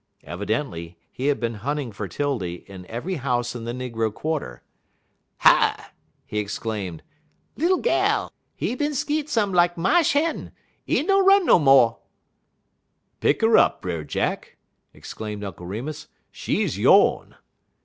Evidently he had been hunting for 'Tildy in every house in the negro quarter. "Hi!" he exclaimed, "lil gal, 'e bin skeet sem lak ma'sh hen. 'E no run no mo'." "Pick 'er up, Brer Jack," exclaimed Uncle Remus; "she's yone."